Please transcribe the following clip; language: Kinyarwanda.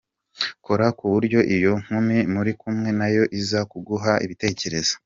Kora ku buryo iyo nkumi muri kumwe na yo iza kuguha ibitekerezo.